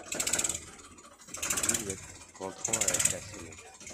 Juliette , rentrant avec la sonnette.